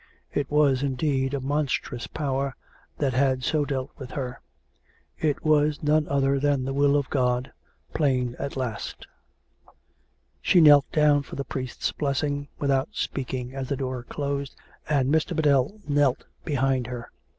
... It was, indeed, a monstrous Power that had so dealt with her. ... It was none other than the Will of God, plain at last. She knelt down for the priest's blessing, without speak ing, as the door closed, and Mr. Biddell knelt behind her.